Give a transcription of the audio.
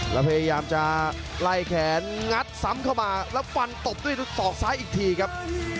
แล้วพยายามจะไล่แขนงัดซ้ำเข้ามาแล้วฟันตบด้วยศอกซ้ายอีกทีครับ